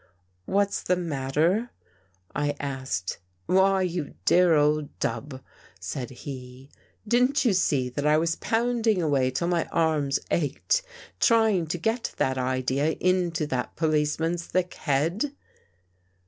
" What's the matter? " I asked. " Why, you dear old dub," said he, " didn't you see that I was pounding away till my arms ached, trying to get that idea into that policeman's thick head?"